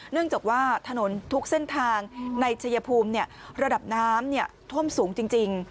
เนื่องจากว่าถนนทุกเส้นทางในชัยภูมิระดับน้ำท่วมสูงจริง